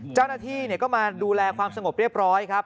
เจ้าหน้าที่ก็มาดูแลความสงบเรียบร้อยครับ